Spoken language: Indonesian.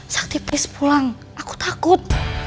sakti please pulang aku takut